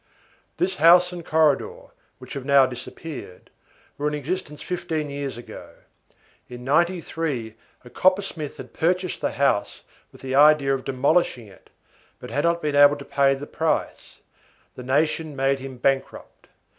This house and corridor, which have now disappeared, were in existence fifteen years ago. In '93 a coppersmith had purchased the house with the idea of demolishing it, but had not been able to pay the price; the nation made him bankrupt.